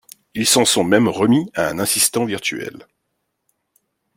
Ils s'en sont même remis à un assistant virtuel.